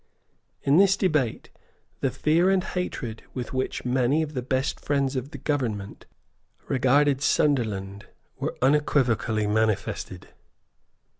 In this debate the fear and hatred with which many of the best friends of the Government regarded Sunderland were unequivocally manifested.